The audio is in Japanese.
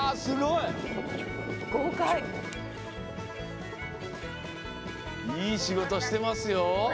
いいしごとしてますよ。